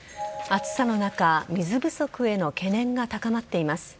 暑さの中水不足への懸念が高まっています。